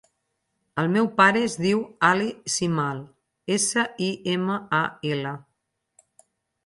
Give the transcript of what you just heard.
El meu pare es diu Ali Simal: essa, i, ema, a, ela.